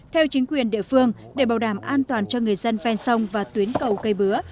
theo chính quyền địa phương để bảo đảm an toàn cho người dân ven sông và tuyến cầu cây bứa